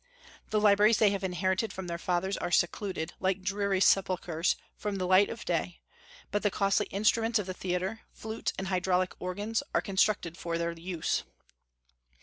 The libraries they have inherited from their fathers are secluded, like dreary sepulchres, from the light of day; but the costly instruments of the theatre flutes and hydraulic organs are constructed for their use.